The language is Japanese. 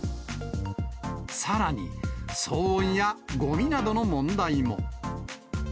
さらに、騒音やごみなどの問題も。